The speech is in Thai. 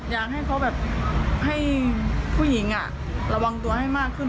อยากให้เขาแบบให้ผู้หญิงระวังตัวให้มากขึ้น